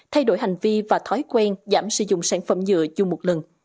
thay đổi hành vi và thói quen giảm sử dụng sản phẩm nhựa chung một lần